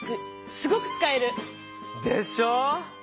すごくつかえる！でしょ？